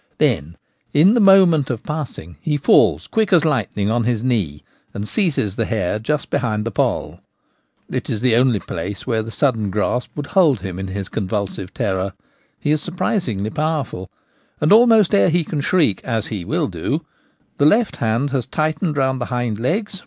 Then, in the moment of passing, he falls quick as lightning on his knee, and seizes the hare just behind the poll. It is the only place where the sudden grasp would hold him in his convulsive terror — he is surprisingly powerful — and almost ere he can shriek (as he will do) the left hand has tightened round the hind legs.